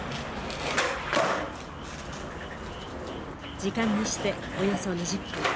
時間にしておよそ２０分。